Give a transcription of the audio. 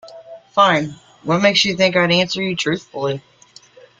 Fine, what makes you think I'd answer you truthfully?